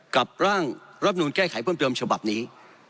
กับร่างรับนูลแก้ไขเพิ่มเติมฉบับนี้